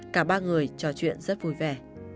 cả ba người trò chuyện rất vui vẻ